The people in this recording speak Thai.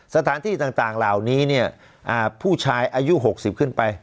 สถานที่ต่างต่างเหล่านี้เนี่ยอ่าผู้ชายอายุหกสิบขึ้นไป